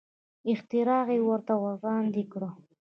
اختراع یې ورته وړاندې کړه.